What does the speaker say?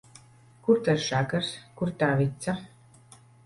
Kur tas žagars, kur tā vica?